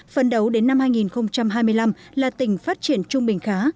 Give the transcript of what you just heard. phấn đấu đến năm hai nghìn hai mươi năm là tỉnh phát triển trung bình khá